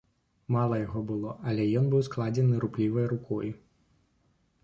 Мала яго было, але ён быў складзены рупліваю рукою.